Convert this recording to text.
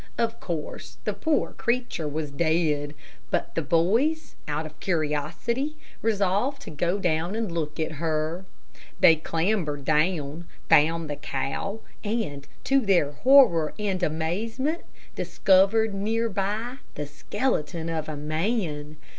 Of course, the poor creature was dead, but the boys, out of curiosity, resolved to go down and look at her. They clambered down, found the cow, and, to their horror and amazement, discovered near by the skeleton of a man.